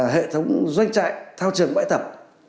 hệ thống doanh trại thao trường bãi tẩm